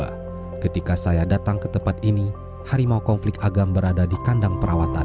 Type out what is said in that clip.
maret dua ribu dua puluh dua ketika saya datang ke tempat ini harimau konflik agam berada di kandang perawatan